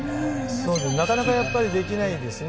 なかなかやっぱりできないんですね。